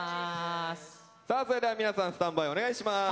さあそれでは皆さんスタンバイお願いします。